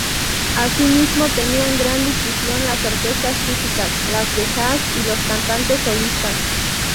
Asimismo tenían gran difusión las orquestas típicas, las de jazz y los cantantes solistas.